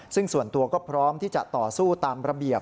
ซึ่งส่วนตัวก็พร้อมที่จะต่อสู้ตามระเบียบ